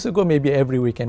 trong ba năm tiếp theo